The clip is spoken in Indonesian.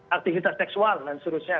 aktivitas seksual dan seterusnya